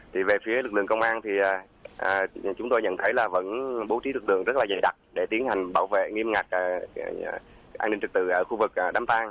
thì về phía lực lượng công an thì chúng tôi nhận thấy là vẫn bố trí lực lượng rất là dày đặc để tiến hành bảo vệ nghiêm ngặt an ninh trực tự ở khu vực đám tang